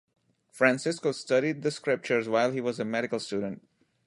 Francisco studied the scriptures while he was a medical student.